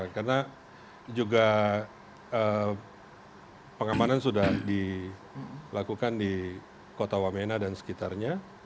karena juga pengamanan sudah dilakukan di kota wamena dan sekitarnya